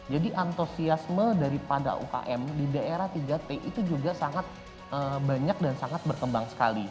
jadi antusiasme daripada ukm di daerah tiga t itu juga sangat banyak dan sangat berkembang sekali